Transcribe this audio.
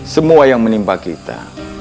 semua yang menimpa kita